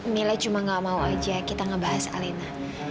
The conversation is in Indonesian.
mila cuma gak mau aja kita ngebahas alena